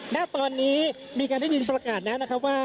ณตอนนี้มีการได้ยินประกาศแล้วนะครับว่า